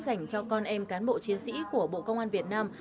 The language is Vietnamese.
dành cho con em cán bộ chiến sĩ của bộ công an việt nam